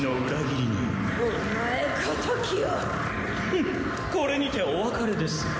フンこれにてお別れです。